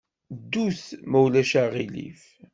Ddut, ma ulac aɣilif.